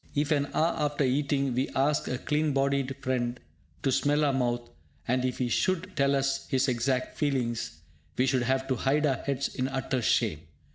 If, an hour after eating, we ask a clean bodied friend to smell our mouth, and if he should tell us his exact feelings, we should have to hide our heads in utter shame!